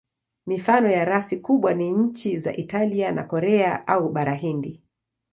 Mifano ya rasi kubwa ni nchi za Italia na Korea au Bara Hindi.